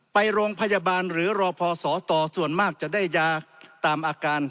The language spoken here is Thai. ไปโรงพยาบาลหรือรอพอสตส่วนมากจะได้ยาตามอาการ